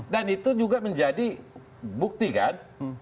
dan itu juga menjadi bukti kan